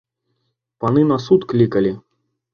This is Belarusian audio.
Паны на суд клікалі.